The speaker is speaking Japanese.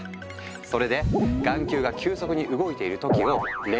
それで眼球が急速に動いている時を「レム睡眠」